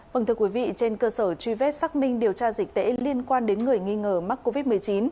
vâng thưa quý vị trên cơ sở truy vết xác minh điều tra dịch tễ liên quan đến người nghi ngờ mắc covid một mươi chín